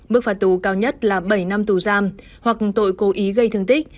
mức phạt tù cao nhất là bảy năm tù giam hoặc tội cố ý gây thương tích